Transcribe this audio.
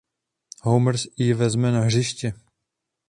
Homer ji vezme na hřiště.